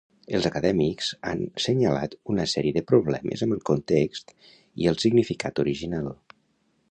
Els acadèmics han senyalat una sèrie de problemes amb el context i el significat original.